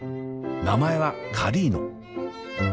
名前はカリーノ。